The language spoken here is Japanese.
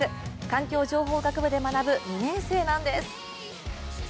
環境情報学部で学ぶ２年生なんです。